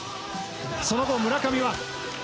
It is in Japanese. ・その後村上は。